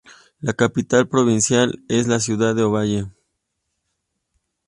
La capital provincial es la ciudad de Ovalle.